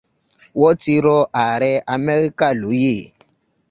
Wọ́n ti rọ ààrẹ́ Amẹ́ríkà lóyè.